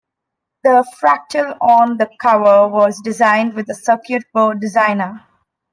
The fractal on the cover was designed with a circuit board designer.